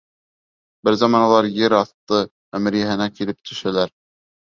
Бер заман улар ер аҫты мәмерйәһенә килеп төшәләр.